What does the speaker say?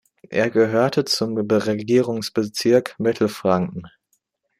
Er gehörte zum Regierungsbezirk Mittelfranken.